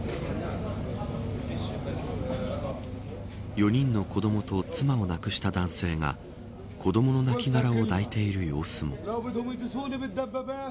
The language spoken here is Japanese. ４人の子どもと妻を亡くした男性が子どもの亡きがらを抱いている様子も。